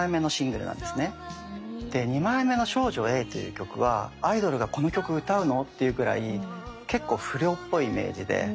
で２枚目の「少女Ａ」という曲はアイドルがこんな曲歌うのっていうくらい結構不良っぽいイメージで。